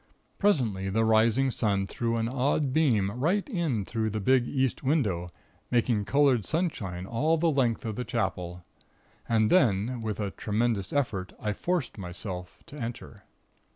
Presently the rising sun threw an odd beam right in through the big, East window, making colored sunshine all the length of the Chapel. And then, with a tremendous effort, I forced myself to enter.